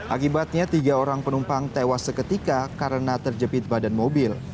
akibatnya tiga orang penumpang tewas seketika karena terjepit badan mobil